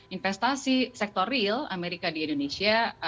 investasi sektor real amerika di indonesia sebesar sembilan belas lima miliar dolar